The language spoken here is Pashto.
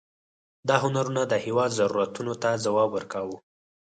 دا هنرونه د هېواد ضرورتونو ته ځواب ورکاوه.